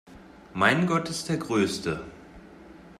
Mein Gott ist der größte!